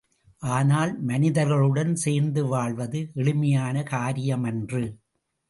ஆனால், மனிதர்களுடன் சேர்ந்து வாழ்வது எளிமையான காரியமன்று!